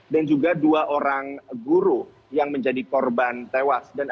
dan juga dua orang guru yang menjadi korban tewas dan ada juga tujuh belas korban luka luka lainnya